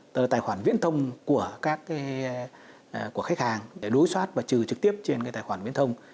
tức là tài khoản viễn thông của khách hàng để đối soát và trừ trực tiếp trên tài khoản viễn thông